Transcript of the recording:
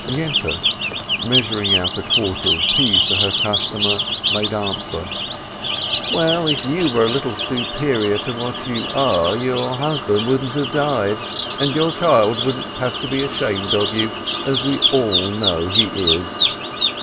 Yente, measuring out a quarter of pears to her cus tomer, made answer: "Well, if you were a little superior to what you are, your husband wouldn't have died, and your child wouldn't have to be ashamed of you, as we all know he is."